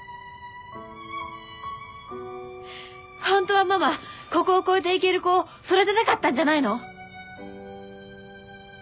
本当はママここを越えていける子を育てたかったんじゃないの？